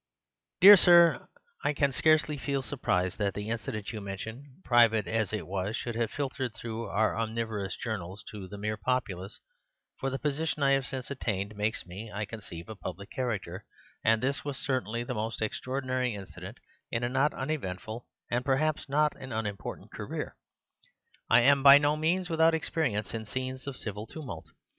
"Dear Sir,—I can scarcely feel surprise that the incident you mention, private as it was, should have filtered through our omnivorous journals to the mere populace; for the position I have since attained makes me, I conceive, a public character, and this was certainly the most extraordinary incident in a not uneventful and perhaps not an unimportant career. I am by no means without experience in scenes of civil tumult.